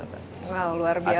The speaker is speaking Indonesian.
wah luar biasa